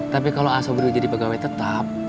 tapi kalau asabri jadi pegawai tetap